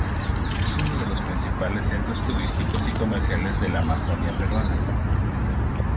Es uno de los principales centros turísticos y comerciales de la Amazonía peruana.